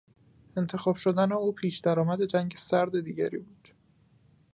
انتخاب شدن او پیش درآمد جنگ سرد دیگری بود.